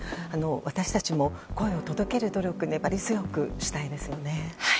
私たちも声を届ける努力を粘り強くしたいですよね。